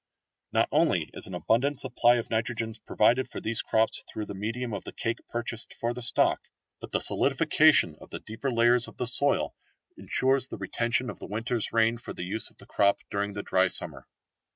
Not only is an abundant supply of nitrogen provided for these crops through the medium of the cake purchased for the stock, but the solidification of the deeper layers of the soil ensures the retention of the winter's rain for the use of the crop during the dry summer.